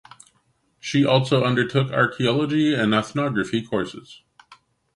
She also undertook archeology and ethnography courses.